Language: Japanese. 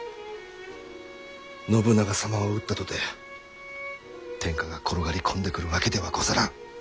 信長様を討ったとて天下が転がり込んでくるわけではござらん。